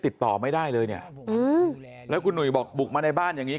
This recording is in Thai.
ติดต่อไม่ได้เลยเนี่ยแล้วคุณหนุ่ยบอกบุกมาในบ้านอย่างนี้